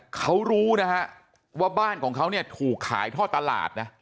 เขารู้นะฮะว่าบ้านของเขาเนี่ยถูกขายท่อตลาดนะ